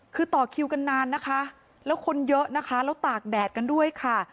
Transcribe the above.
คือต่อคิวกันนานนะคะแล้วคนเยอะนะคะแล้วตากแดดกันด้วยค่ะ